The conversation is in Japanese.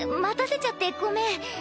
待たせちゃってごめん。